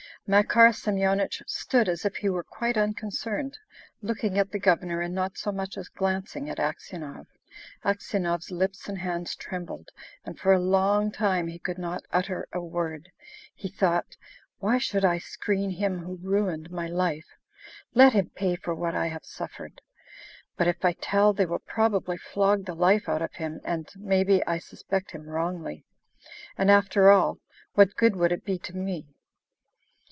Makar Semyonich stood as if he were quite unconcerned, looking at the Governor and not so much as glancing at Aksionov. Aksionov's lips and hands trembled, and for a long time he could not utter a word. He thought, "Why should I screen him who ruined my life? Let him pay for what I have suffered. But if I tell, they will probably flog the life out of him, and maybe I suspect him wrongly. And, after all, what good would it be to me?"